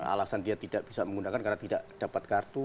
alasan dia tidak bisa menggunakan karena tidak dapat kartu